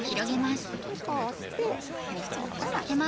でこうして向こうから。